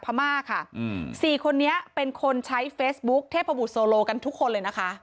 พม่าค่ะอืมสี่คนนี้เป็นคนใช้เฟซบุ๊คเทพบุตรโซโลกันทุกคนเลยนะคะ